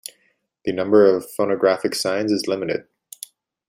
The number of phonographic signs is limited.